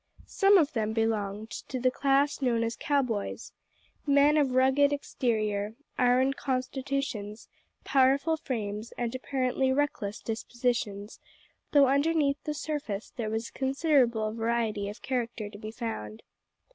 Some of them belonged to the class known as cow boys men of rugged exterior, iron constitutions, powerful frames, and apparently reckless dispositions, though underneath the surface there was considerable variety of character to be found.